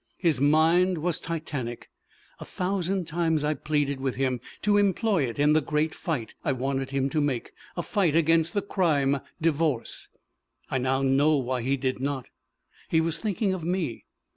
His mind was titanic. A thousand times I pleaded with him to employ it in the great fight I wanted him to make a fight against the crime divorce. I know, now, why he did not. He was thinking of me.